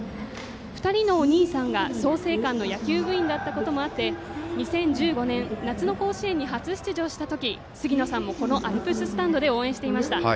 ２人のお兄さんが創成館の野球部員だったこともあって２０１５年、夏の甲子園に初出場した時すぎのさんもこのアルプススタンドで応援していました。